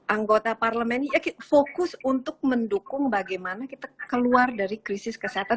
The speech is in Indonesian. anggota parlemen fokus untuk mendukung bagaimana kita keluar dari krisis kesehatan